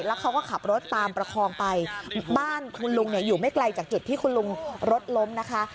แล้วเขาก็ขับรถตามประคองไปบ้านคุณลุงเนี่ยอยู่ไม่ไกลจากจุดที่คุณลุงรถล้มนะคะ